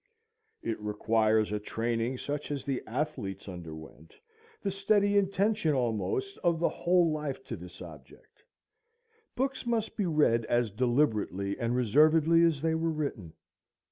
It requires a training such as the athletes underwent, the steady intention almost of the whole life to this object. Books must be read as deliberately and reservedly as they were written.